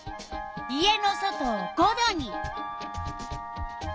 家の外を５℃に。